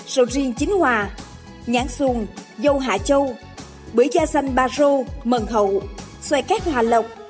sầu riêng chín hòa nhãn xuồng dâu hạ châu bưởi da xanh barô mần hậu xoài cát hòa lộc